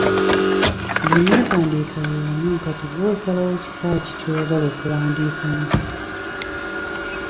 Byonna empandiika y'emu kati ggwe osalawo kika ki ky'oyagala okuwandiikamu.